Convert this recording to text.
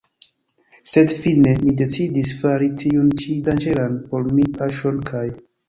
Sed fine mi decidis fari tiun ĉi danĝeran por mi paŝon kaj.